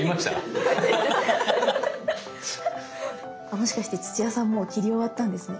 もしかして土屋さんもう切り終わったんですね。